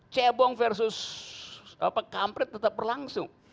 cebong versus kampret tetap berlangsung